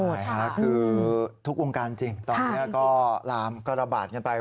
ใช่ค่ะคือทุกวงการจริงตอนนี้ก็ลามก็ระบาดกันไป